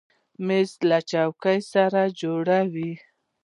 مېز له چوکۍ سره جوړه ده.